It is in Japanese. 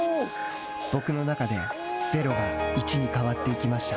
僕の中で０が１に変わっていきました。